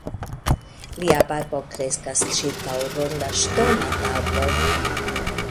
Lia barbo kreskas ĉirkaŭ ronda ŝtona tablo.